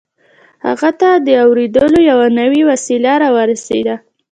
هغه ته د اورېدلو يوه نوې وسيله را ورسېده.